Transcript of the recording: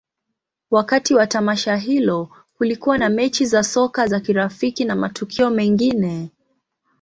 Wakati wa tamasha hilo, kulikuwa na mechi za soka za kirafiki na matukio mengine.